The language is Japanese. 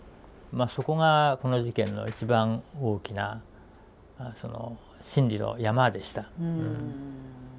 そこがこの事件の一番大きな審理の山でした。